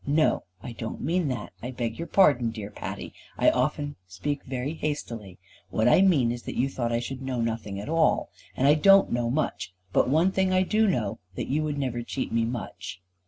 No, I don't mean that: I beg your pardon, dear Patty. I often speak very hastily. What I mean is that you thought I should know nothing at all. And I don't know much, but one thing I do know, that you would never cheat me much."